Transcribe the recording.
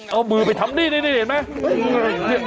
เอามือไปทำหนี้เห็นมั้ย